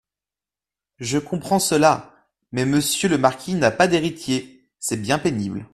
Je comprends cela ; mais monsieur le marquis n'a pas d'héritier, c'est bien pénible.